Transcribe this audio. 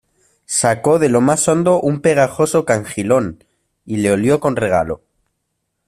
sacó de lo más hondo un pegajoso cangilón, y le olió con regalo: